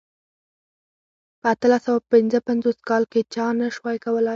په اتلس سوه پنځه پنځوس کال کې چا نه شوای کولای.